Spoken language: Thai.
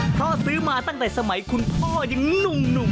เพราะซื้อมาตั้งแต่สมัยคุณพ่อยังหนุ่ม